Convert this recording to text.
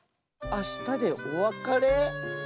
あしたでおわかれ？